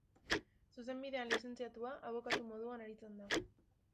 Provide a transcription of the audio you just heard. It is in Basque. Zuzenbidean lizentziatua, abokatu moduan aritzen da.